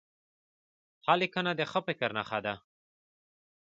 ښه لیکنه د ښه فکر نښه ده.